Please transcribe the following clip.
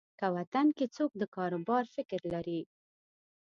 که وطن کې څوک د کاروبار فکر لري.